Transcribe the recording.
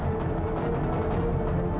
hanifah butuh penjelasan dari mas rino